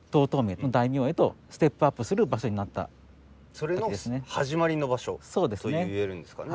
それの始まりの場所と言えるんですかね。